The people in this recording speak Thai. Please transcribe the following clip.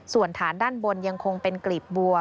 ส่วนฐานด้านบนยังคงเป็นกลีบบัว